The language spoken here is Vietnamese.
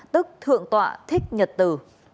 tức thượng tọa thích nhật từ